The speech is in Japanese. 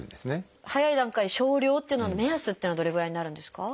早い段階で少量っていうのの目安というのはどれぐらいになるんですか？